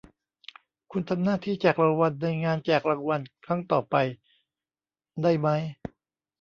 คุณทำหน้าที่แจกรางวัลในงานแจกรางวัลครั้งต่อไปได้มั้ย